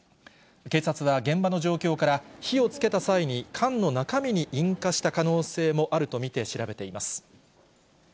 警察は、現場の状況から、火をつけた際に缶の中身に引火した可能性もあると見て調べています。